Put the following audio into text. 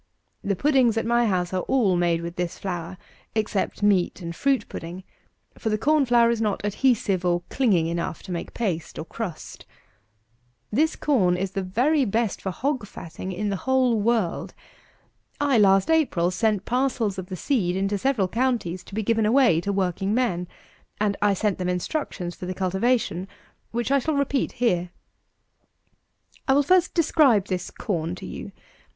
The puddings at my house are all made with this flour, except meat and fruit pudding; for the corn flour is not adhesive or clinging enough to make paste, or crust. This corn is the very best for hog fatting in the whole world. I, last April, sent parcels of the seed into several counties, to be given away to working men: and I sent them instructions for the cultivation, which I shall repeat here. 259. I will first describe this corn to you.